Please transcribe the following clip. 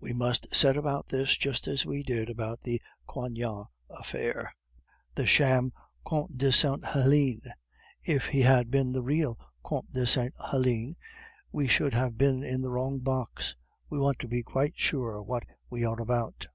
We must set about this just as we did about the Coignard affair, the sham Comte de Sainte Helene; if he had been the real Comte de Sainte Helene, we should have been in the wrong box. We want to be quite sure what we are about."